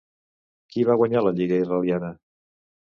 Qui va guanyar la lliga israeliana?